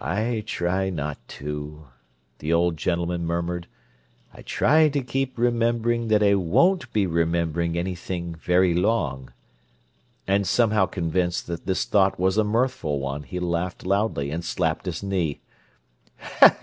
"I try not to," the old gentleman murmured. "I try to keep remembering that I won't be remembering anything very long." And, somehow convinced that this thought was a mirthful one, he laughed loudly, and slapped his knee.